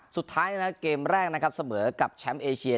สุดท้ายนะครับเกมแรกเสมอกับแชมป์เอเชีย